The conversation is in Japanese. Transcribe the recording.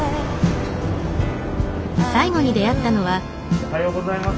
おはようございます。